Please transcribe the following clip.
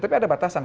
tapi ada batasan